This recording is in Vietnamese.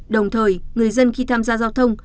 đồng thời người dân khi tham gia giao thông